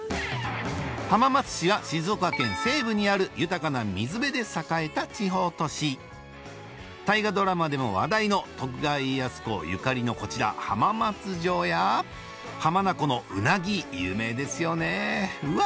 浜松市は静岡県西部にある豊かな水辺で栄えた地方都市大河ドラマでも話題の徳川家康公ゆかりのこちら浜名湖の鰻有名ですよねうわ！